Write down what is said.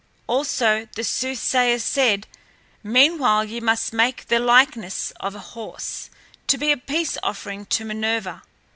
Also the soothsayer said, 'Meanwhile ye must make the likeness of a horse, to be a peace offering to Minerva.